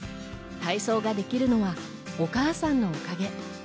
体操ができるのは、お母さんのおかげ。